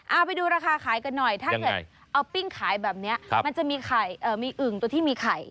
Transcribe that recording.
เอาไปดูราคาขายกันหน่อยถ้าเกิดเอาปิ้งขายแบบนี้มันจะมีอึ่งตัวที่มีไข่